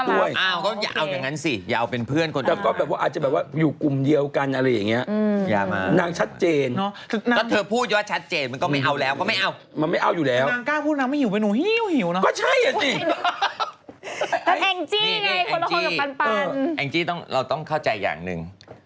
ประมาณคือคือคือคือคือคือคือคือคือคือคือคือคือคือคือคือคือคือคือคือคือคือคือคือคือคือคือคือคือคือคือ